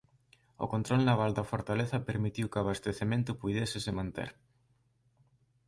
O control naval da fortaleza permitiu que o abastecemento puidésese manter.